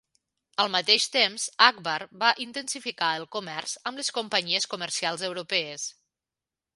Al mateix temps, Akbar va intensificar el comerç amb les companyies comercials europees.